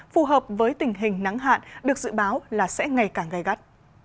phù hợp với tình hình nắng hạn được dự báo là sẽ ngày càng gây gắt